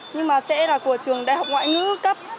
nhưng mà sẽ là của trường đại học ngoại ngữ cấp